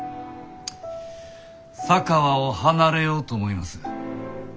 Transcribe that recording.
佐川を離れようと思います。